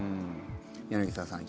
柳澤さん